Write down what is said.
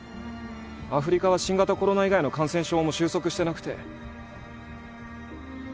アフリカは新型コロナ以外の感染症も収束してなくて。